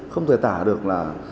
không thể tả được là